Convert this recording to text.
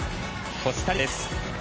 コスタリカです。